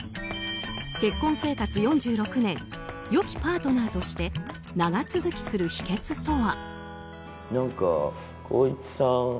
結婚生活４６年良きパートナーとして長続きする秘訣とは。